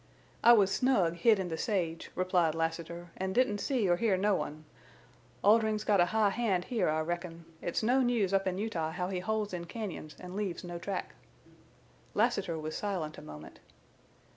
"I was snug hid in the sage," replied Lassiter, "an' didn't see or hear no one. Oldrin's got a high hand here, I reckon. It's no news up in Utah how he holes in cañons an' leaves no track." Lassiter was silent a moment.